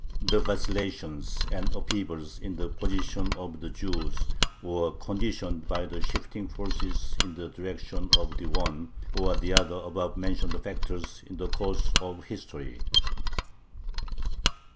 The vacillations and upheavals in the position of the Jews were conditioned by the shifting of forces in the direction of the one or the other above mentioned factors in the course of history.